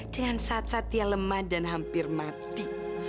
dengan saat saat dia lemah dan hampir mati